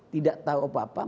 tidak tahu apa apa